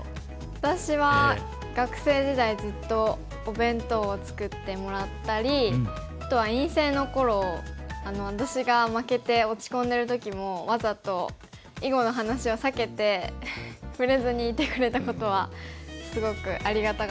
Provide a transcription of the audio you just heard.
私は学生時代ずっとお弁当を作ってもらったりあとは院生の頃私が負けて落ち込んでる時もわざと囲碁の話を避けて触れずにいてくれたことはすごくありがたかったです。